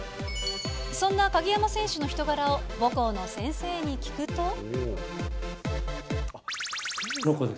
そんな鍵山選手の人柄を母校の先生に聞くと。